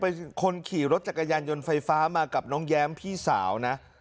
เป็นคนขี่รถจักรยานยนต์ไฟฟ้ามากับน้องแย้มพี่สาวนะ